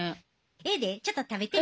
ええでちょっと食べてみ。